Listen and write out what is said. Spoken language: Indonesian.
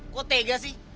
kok tega sih